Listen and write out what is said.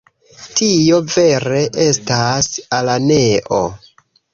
Tio vere estas araneo.